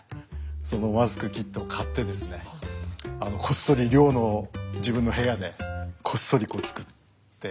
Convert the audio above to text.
そのマスクキットを買ってですねこっそり寮の自分の部屋でこっそりこう作って。